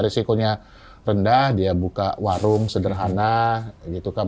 risikonya rendah dia buka warung sederhana gitu kan